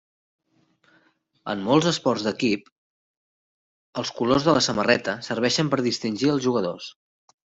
En molts esports d'equip, els colors de la samarreta serveixen per a distingir els jugadors.